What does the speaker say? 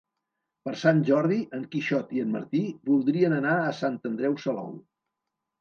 Per Sant Jordi en Quixot i en Martí voldrien anar a Sant Andreu Salou.